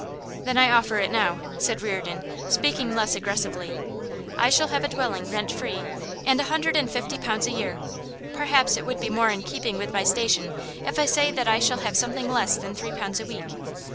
'Then I offer it now,' said Reardon, speaking less aggressively. 'I shall have a dwelling rent free, and a hundred and fifty pounds a year perhaps it would be more in keeping with my station if I say that I shall have something less than three pounds a week.